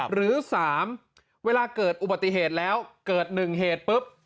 หรือ๓เวลาเกิดอุบัติเหตุแล้วเกิด๑เหตุปุ๊บ